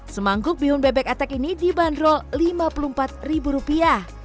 semangkuk bihun bebek atak ini dibanderol lima puluh empat ribu rupiah